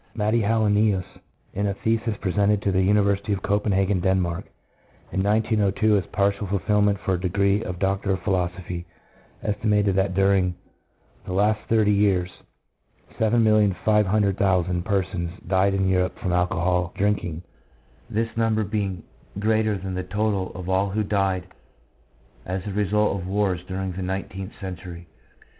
Matti Helenius, in a thesis presented to the University of Copenhagen, Denmark, in 1902, as a partial fulfil ment for a degree of Doctor of Philosophy, estimated that during the last thirty years 7,500,000 persons died in Europe from alcohol drinking, this number being greater than the total of all who died as the 10 PSYCHOLOGY OF ALCOHOLISM. result of wars during the nineteenth century.